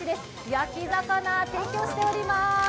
焼き魚、提供しております。